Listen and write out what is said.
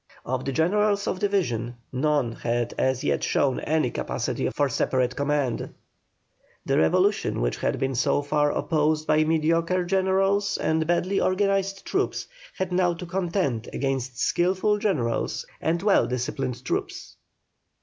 Of the generals of division, none had as yet shown any capacity for separate command. The revolution which had been so far opposed by mediocre generals and badly organized troops, had now to contend against skilful generals and well disciplined troops.